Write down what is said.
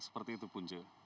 seperti itu punca